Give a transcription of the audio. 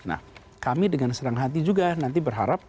nah kami dengan senang hati juga nanti berharap